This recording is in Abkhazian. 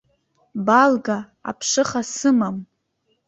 Балга, аԥшыха сымам!